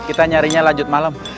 kita nyarinya lanjut malam